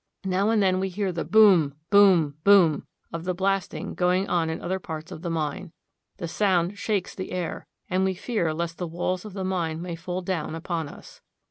Now and then we hear the boom ! boom ! boom ! of the blasting going on in other parts of the mine. The sound shakes the air, and we fear lest the walls of the mine may fall down upon us.